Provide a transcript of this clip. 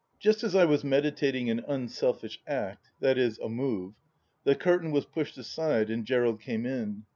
Just as I was meditating an unselfish act — ^viz. a move, the curtain was pushed aside and Gerald came in.